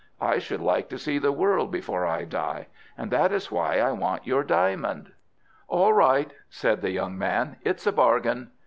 I should like to see the world before I die, and that is why I want your diamond." "All right," said the young man, "it's a bargain."